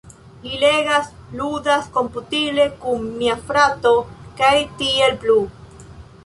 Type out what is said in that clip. mi legas, ludas komputile kun mia frato, kaj tiel plu.